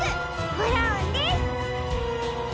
ブラウンです！